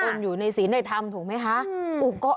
อุ่นอยู่ในศีลในธรรมถูกมั้ยคะ